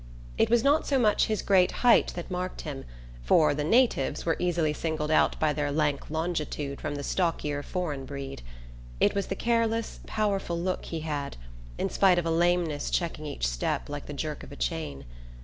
It was not so much his great height that marked him, for the "natives" were easily singled out by their lank longitude from the stockier foreign breed: it was the careless powerful look he had, in spite of a lameness checking each step like the jerk of a chain.